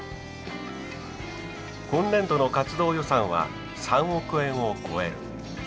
今年度の活動予算は３億円を超える。